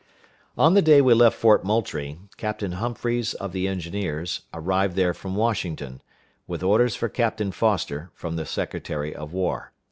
On the day we left Fort Moultrie, Captain Humphreys, of the engineers, arrived there from Washington, with orders for Captain Foster from the Secretary of War.